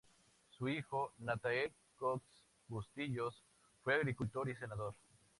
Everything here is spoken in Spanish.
Su hijo, Nataniel Cox Bustillos, fue agricultor y senador.